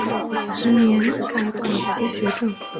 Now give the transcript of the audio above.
同年改广西学政。